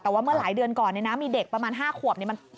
แต่ว่าเมื่อหลายเดือนก่อนมีเด็กประมาณ๕ขวบ